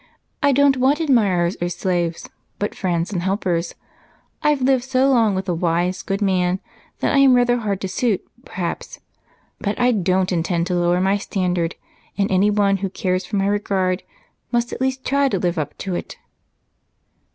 I don't want admirers or slaves, but friends and helpers. I've lived so long with a wise, good man that I am rather hard to suit, perhaps, but I don't intend to lower my standard, and anyone who cares for my regard must at least try to live up to it."